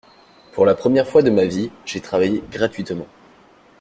Pour la première fois de ma vie, j’ai travaillé gratuitement.